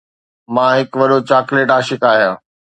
مان هڪ وڏو چاکليٽ عاشق آهيان.